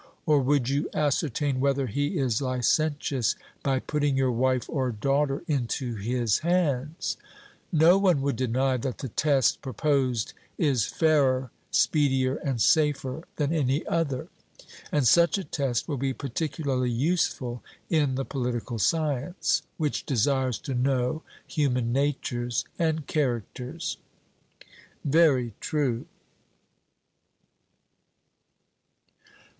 Or would you ascertain whether he is licentious by putting your wife or daughter into his hands? No one would deny that the test proposed is fairer, speedier, and safer than any other. And such a test will be particularly useful in the political science, which desires to know human natures and characters. 'Very true.'